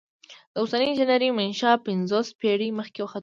د اوسنۍ انجنیری منشا پنځوس پیړۍ مخکې وختونو ته رسیږي.